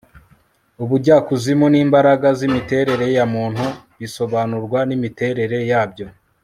ubujyakuzimu n'imbaraga z'imiterere ya muntu bisobanurwa n'imiterere yabyo